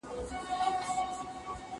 زه هره ورځ د کتابتون کتابونه لوستل کوم؟!